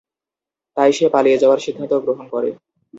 তাই সে পালিয়ে যাওয়ার সিদ্ধান্ত গ্রহণ করে।